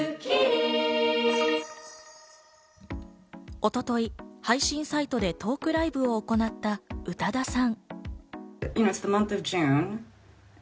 一昨日、配信サイトでトークライブを行った宇多田さん。